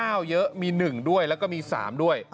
เยอะมี๑ด้วยแล้วก็มี๓ด้วย